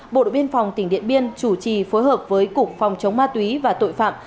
bộ đội biên phòng tỉnh điện biên chủ trì phối hợp với cục phòng chống ma túy và tội phạm